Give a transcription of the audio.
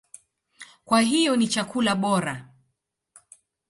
Kwa hiyo ni chakula bora.